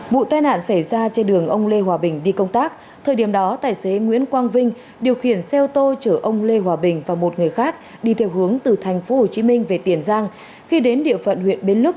vụ tai nạn xảy ra trên đường ông lê hòa bình đi công tác thời điểm đó tài xế nguyễn quang vinh điều khiển xe ô tô chở ông lê hòa bình và một người khác đi theo hướng từ tp hcm về tiền giang